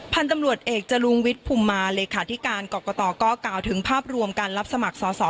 พันธุ์ตำรวจเอกจรุงวิทย์ภูมิมาเลขาธิการกรกตก็กล่าวถึงภาพรวมการรับสมัครสอสอ